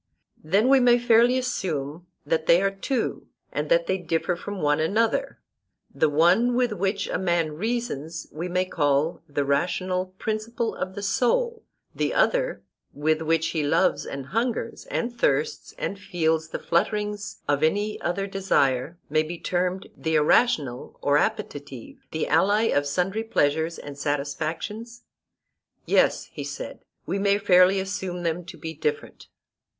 Then we may fairly assume that they are two, and that they differ from one another; the one with which a man reasons, we may call the rational principle of the soul, the other, with which he loves and hungers and thirsts and feels the flutterings of any other desire, may be termed the irrational or appetitive, the ally of sundry pleasures and satisfactions? Yes, he said, we may fairly assume them to be different.